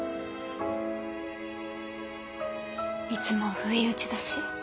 いつも不意打ちだし